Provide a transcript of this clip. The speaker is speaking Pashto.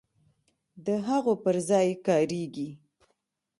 د هغو پر ځای کاریږي.